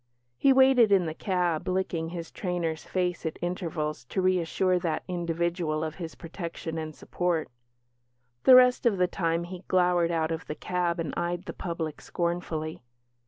He waited in the cab, licking his trainer's face at intervals to reassure that individual of his protection and support; the rest of the time he glowered out of the cab and eyed the public scornfully.